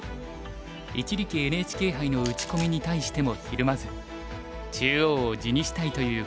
一力ＮＨＫ杯の打ち込みに対してもひるまず中央を地にしたいという構想は一貫していました。